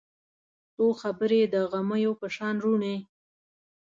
څو خبرې د غمیو په شان روڼې